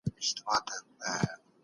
د ملکیت حق د انسان د وقار برخه ده.